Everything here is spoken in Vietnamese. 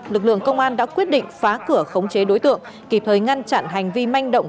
lực lượng công an đã quyết định phá cửa khống chế đối tượng kịp thời ngăn chặn hành vi manh động